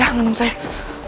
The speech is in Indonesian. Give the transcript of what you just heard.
jam berapa nih